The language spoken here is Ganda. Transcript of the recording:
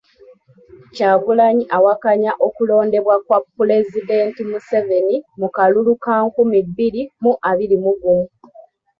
Kyagulanyi awakanya okulondebwa kwa Pulezidenti Museveni mu kalulu ka nkumi bbiri mu abiri mu gumu.